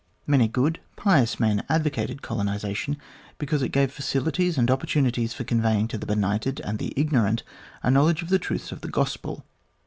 Many good, pious men advocated colonisation because it gave facilities and opportunities for conveying to the benighted and the ignorant a knowledge of the truths of the Gospel.